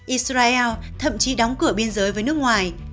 israel thậm chí đóng cửa biên giới với nước ngoài